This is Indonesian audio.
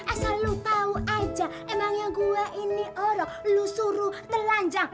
asal lo tau aja emangnya gue ini orang lo suruh telanjang